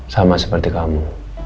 sama seperti kamu